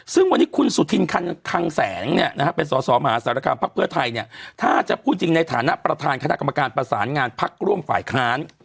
ซึ่งวันนี้คุณสุธินคันคังแสงเป็นสอสอมหาสารคามพักเพื่อไทยเนี่ยถ้าจะพูดจริงในฐานะประธานคณะกรรมการประสานงานพักร่วมฝ่ายค้าน